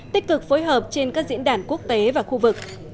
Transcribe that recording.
tích cực phối hợp trên các diễn đàn quốc tế và khu vực